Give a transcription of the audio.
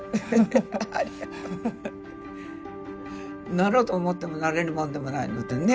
なろうと思ってもなれるもんでもないのでね